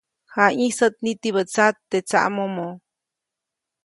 Jayĩsäʼt nitibä tsat teʼ tsaʼmomo.